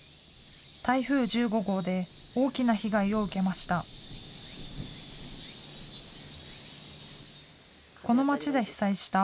台風１５号で大きな被害を受けました。